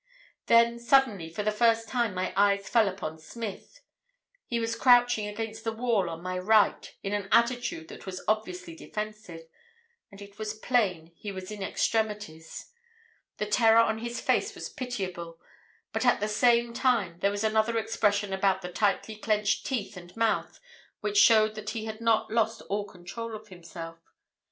"Then, suddenly, for the first time my eyes fell upon Smith. He was crouching against the wall on my right, in an attitude that was obviously defensive, and it was plain he was in extremities. The terror on his face was pitiable, but at the same time there was another expression about the tightly clenched teeth and mouth which showed that he had not lost all control of himself.